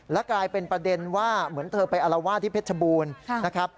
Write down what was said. และกลายเป็นประเด็นว่าเหมือนเธอไปอลาว่าที่เพชรชบูรณ์